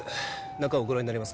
中をご覧になりますか？